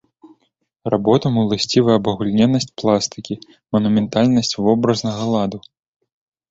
Работам уласцівы абагульненасць пластыкі, манументальнасць вобразнага ладу.